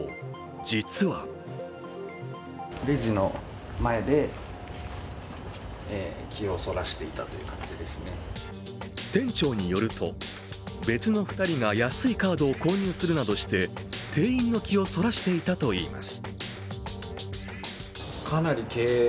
実は店長によると別の２人が安いカードを購入するなどして店員の気をそらしていたといいます。